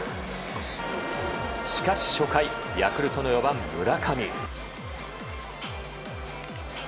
しかし初回ヤクルトの４番、村上。